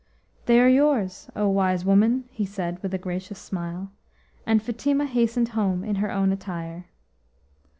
"They are yours, O wise woman," he said with a gracious smile, and :Fatima hastened home in her own attire.